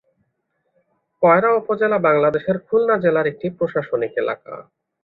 কয়রা উপজেলা বাংলাদেশের খুলনা জেলার একটি প্রশাসনিক এলাকা।